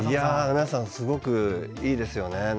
皆さんすごくいいですよね。